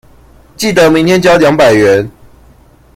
記得明天交兩百元